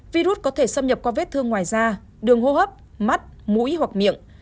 virus có thể xâm nhập qua vết thương ngoài da đường hô hấp mắt mũi hoặc miệng